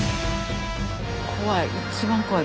怖い。